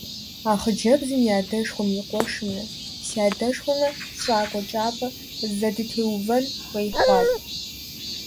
А хъыджэбзым и адэшхуэм и къуэшымрэ си адэшхуэмрэ щӀакӀуэ кӀапэ зэдытеувэн хуей хъуат.